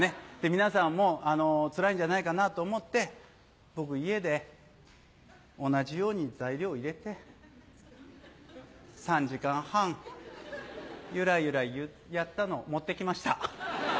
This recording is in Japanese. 皆さんもつらいんじゃないかなと思って僕家で同じように材料を入れて３時間半ゆらゆらやったのを持ってきました。